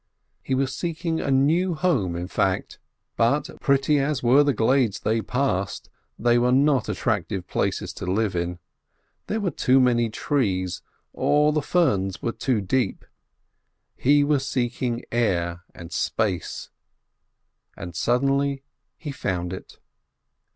He was seeking a new home, in fact. But, pretty as were the glades they passed, they were not attractive places to live in. There were too many trees, or the ferns were too deep. He was seeking air and space, and suddenly he found it.